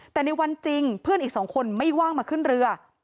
แต่ในวันจริงเพื่อนอีกสองคนไม่ว่างมาขึ้นเรือ